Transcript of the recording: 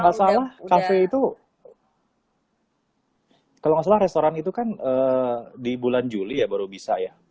kalo gak salah cafe itu kalo gak salah restoran itu kan di bulan juli ya baru bisa ya